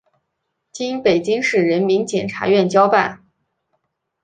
经北京市人民检察院交办